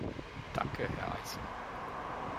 Danke, Herr Eisma.